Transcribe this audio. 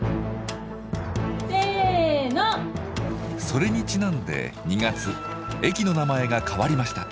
それにちなんで２月駅の名前が変わりました。